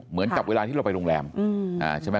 เหมือนกับเวลาที่เราไปโรงแรมใช่ไหม